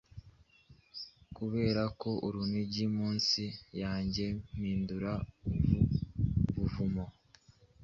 Kuberako urunigi munsi yanjye mpindura ubu buvumo